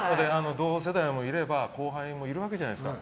同世代もいれば後輩もいるわけじゃないですか。